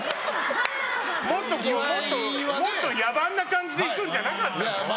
もっとこう野蛮な感じでいくんじゃなかったの。